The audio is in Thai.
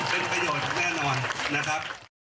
เป็นประโยชน์แน่นอนนะครับ